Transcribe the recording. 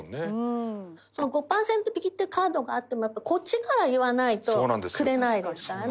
その５パーセント引きっていうカードがあってもやっぱこっちから言わないとくれないですからね。